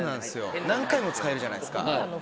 何回も使えるじゃないですか。